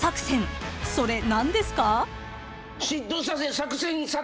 それ何ですか？］